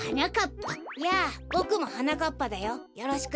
やあボクもはなかっぱだよよろしくね。